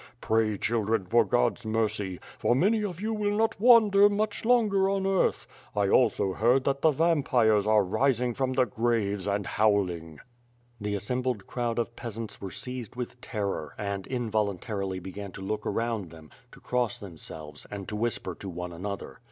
Pray, children, for ( od's mercy; for many of you will not wander ninch longer on earth. I also heard that the vampires are rising from the graves and howling." The aRRoml)led crowd of peasants were seized with terror and, involuntarily began to look around them, to cross them selves, and to whisper to one another.